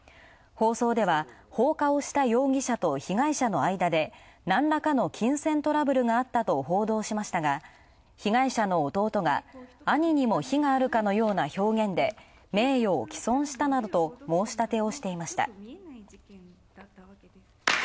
放送では放火をした容疑者と被害者の間で何らかの金銭トラブルがあったと報道しましたが、被害者の弟が兄にも非があるかのような表現で名誉を棄損したなどと申し立てをしていました。